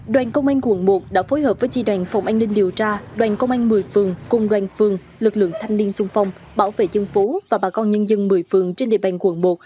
đoàn công an quận một đã phối hợp với chi đoàn phòng an ninh điều tra đoàn công an một mươi phường công đoàn phương lực lượng thanh niên sung phong bảo vệ dân phố và bà con nhân dân một mươi phường trên địa bàn quận một